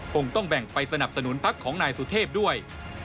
คงต้องแบ่งไปสนับสนุนพักของนายสุเทพด้วย